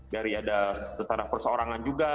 dari ada secara perseorangan juga